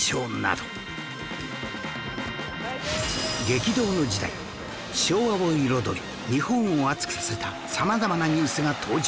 激動の時代昭和を彩り日本を熱くさせた様々なニュースが登場！